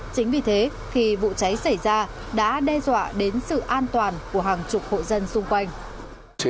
chính vì thế khi vụ cháy xảy ra đã đe dọa đến sự an toàn của hàng chục hộ dân xung quanh